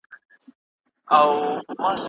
د محبت کموالی د کرکي باعث ولي کيږي؟